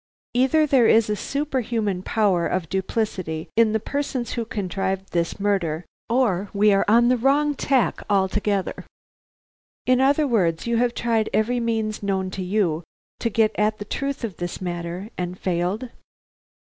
Either there is a superhuman power of duplicity in the persons who contrived this murder or we are on the wrong tack altogether." "In other words, you have tried every means known to you to get at the truth of this matter, and failed."